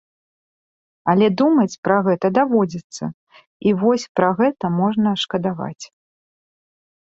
Але думаць пра гэта даводзіцца і вось пра гэта можна шкадаваць.